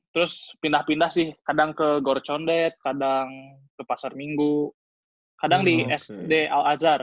terus pindah pindah sih kadang ke gor condet kadang ke pasar minggu kadang di sd al azhar